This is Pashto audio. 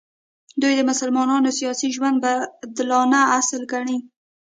دوی د مسلمانانو سیاسي ژوند بدلانه اصل ګڼي.